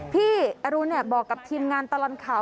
พี่อรุณบอกกับทีมงานตลอดข่าว